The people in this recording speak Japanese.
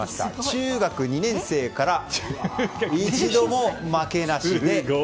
中学２年生から一度も負けなしで。